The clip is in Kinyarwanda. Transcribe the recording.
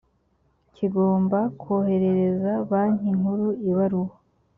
kigomba koherereza banki nkuru ibarwa